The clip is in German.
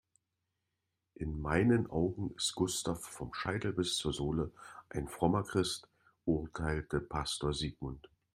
In meinen Augen ist Gustav vom Scheitel bis zur Sohle ein frommer Christ, urteilte Pastor Sigmund.